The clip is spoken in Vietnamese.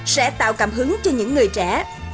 sẽ tạo cảm hứng cho những người trẻ